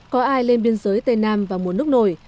có ai lên biên giới tây nam và muôn nước nổi